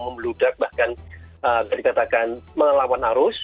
membeludak bahkan dari katakan melawan arus